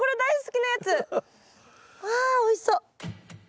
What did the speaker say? あおいしそう！